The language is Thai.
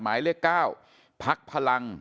หมายเลข๙พักพลัง